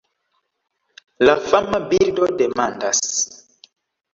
La fama birdo demandas: